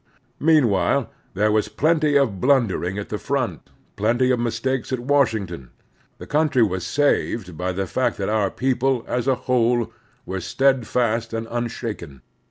Meanwhile there was plenty of bltmdering at the front, plenty of mistakes at Washington. The cotmtry was saved by the Grant 207 fact that otir people, as a whole, were steadfast and unshaken.